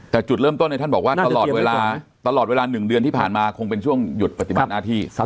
แต่จุดเริ่มต้นเนี่ยท่านบอกว่าตลอดเวลาตลอดเวลา๑เดือนที่ผ่านมาคงเป็นช่วงหยุดปฏิบัติหน้าที่